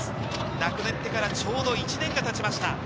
亡くなってからちょうど１年が経ちました。